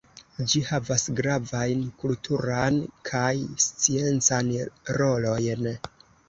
Ĝi havas gravajn kulturan kaj sciencan rolojn.